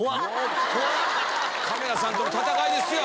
カメラさんとの戦いですよ。